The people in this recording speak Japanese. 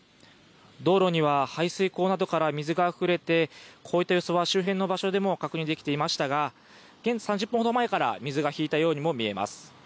道路には排水溝などから水があふれてこういった様子は周辺の場所でも確認できていましたが３０分ほど前から水が引いたようにも見えます。